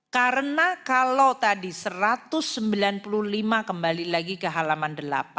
karena kalau tadi satu ratus sembilan puluh lima kembali lagi ke halaman delapan